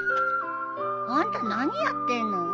あんた何やってんの？